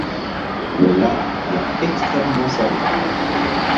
Le lac est extrêmement salé.